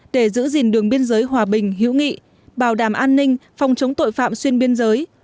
để giữ gìn đường biên giới hòa bình hữu nghị bảo đảm an ninh phòng chống tội phạm xuyên biên giới